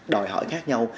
đòi hỏi khác nhau